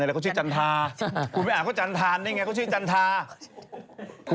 ภีร์กองก้อยก็คือภีร์ในไทยนี่หละ